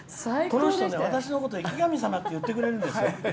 この人ね、私のこと生き神様って呼んでくれるんですよ。